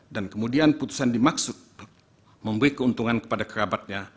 dan kemudian putusan dimaksud memberi keuntungan kepada kerabatnya